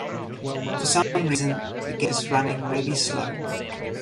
For some reason the game is running really slow.